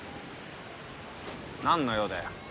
何の用だよ